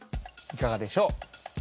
いかがでしょう。